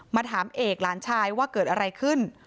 มาถามเอกหลานชายว่าเกิดอะไรขึ้น